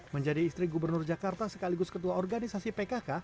menjadi istri gubernur jakarta sekaligus ketua organisasi pkk